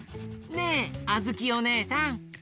ねえあづきおねえさん